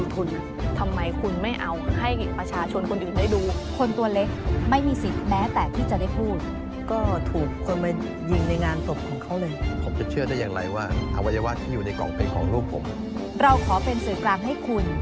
ปิดปากตัวเองเอาไว้